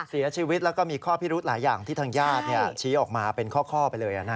เสียชีวิตแล้วก็มีข้อพิรุธหลายอย่างที่ทางญาติชี้ออกมาเป็นข้อไปเลย